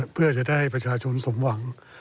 เพื่อจะได้ประชาชนสมหวัง